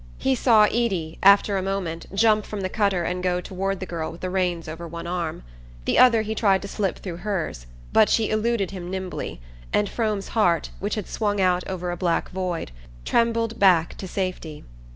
He saw Eady, after a moment, jump from the cutter and go toward the girl with the reins over one arm. The other he tried to slip through hers; but she eluded him nimbly, and Frome's heart, which had swung out over a black void, trembled back to safety.